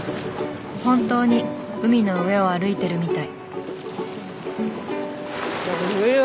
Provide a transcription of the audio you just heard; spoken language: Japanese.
本当に海の上を歩いてるみたい。